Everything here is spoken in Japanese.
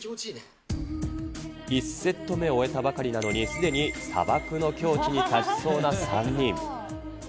１セット目を終えたばかりなのに、すでにサバクの境地に達しそうな３人。